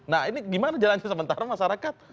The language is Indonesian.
nah ini gimana jalannya sementara masyarakat